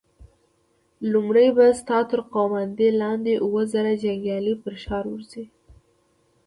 لومړی به ستا تر قوماندې لاندې اووه زره جنيګالي پر ښار ورځي!